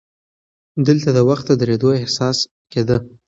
دلته د وخت د درېدو احساس کېده.